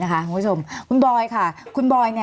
มีความรู้สึกว่ามีความรู้สึกว่า